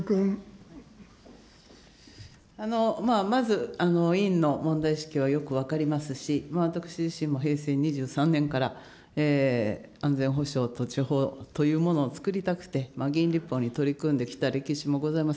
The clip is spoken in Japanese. まず、委員の問題意識はよく分かりますし、私自身も平成２３年から安全保障土地法というものを作りたくて、議員立法に取り組んできた歴史もございます。